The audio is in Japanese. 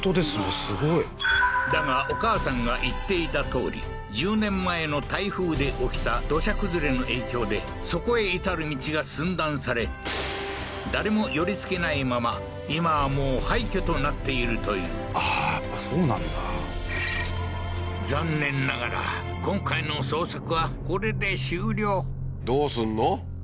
すごいだがお母さんが言っていたとおり１０年前の台風で起きた土砂崩れの影響でそこへ至る道が寸断され誰も寄りつけないまま今はもう廃墟となっているというああーやっぱそうなんだ残念ながら今回の捜索はこれで終了どうすんの？